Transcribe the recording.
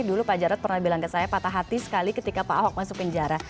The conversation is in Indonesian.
dulu pak jarod pernah bilang ke saya patah hati sekali ketika pak ahok masuk penjara